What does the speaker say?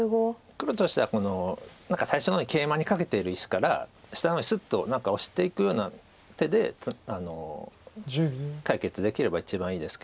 黒としては最初の方にケイマにカケてる石から下の方にすっとオシていくような手で解決できれば一番いいですけど。